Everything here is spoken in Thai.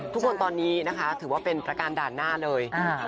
ทุกคนตอนนี้นะคะถือว่าเป็นประการด่านหน้าเลย